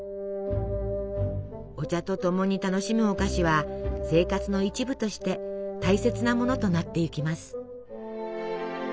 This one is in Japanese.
お茶とともに楽しむお菓子は生活の一部として大切なものとなってゆきます。